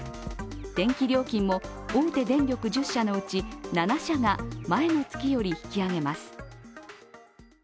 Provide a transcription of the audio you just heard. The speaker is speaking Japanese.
電気料金も大手電力１０社のうち７社が前の月より引き上げます。